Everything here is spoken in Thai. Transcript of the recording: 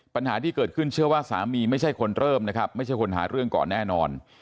ปัญหาที่เกิดขึ้นเชื่อว่าสามีไม่ใช่คนเริ่มนะครับไม่ใช่คนหาเรื่องก่อนแน่นอน